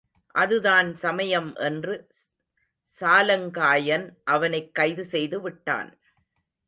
அதுதான் சமயம் என்று சாலங்காயன் அவனைக் கைது செய்துவிட்டான்.